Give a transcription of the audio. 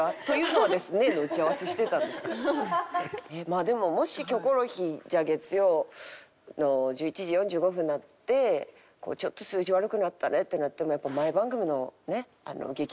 まあでももし『キョコロヒー』じゃあ月曜の１１時４５分になってちょっと数字悪くなったねってなってもやっぱ前番組のね『激レアさん』のせい。